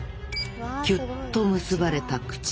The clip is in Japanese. キュッと結ばれた口。